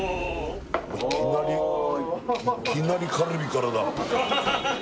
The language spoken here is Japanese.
いきなりいきなりカルビからだ